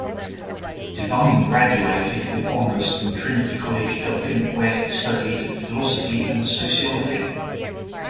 Devine graduated with honours from Trinity College, Dublin, where he studied philosophy and sociology.